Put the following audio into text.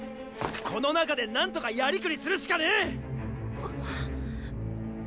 この中で何とかやりくりするしかねェ！！